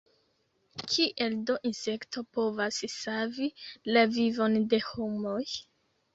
Kiel do insekto povas savi la vivon de homoj?